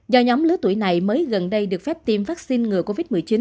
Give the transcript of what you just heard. do nhóm lứa tuổi này mới gần đây được phép tiêm vaccine ngừa covid một mươi chín